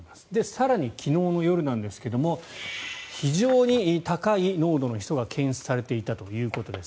更に昨日の夜なんですが非常に高い濃度のヒ素が検出されていたということです。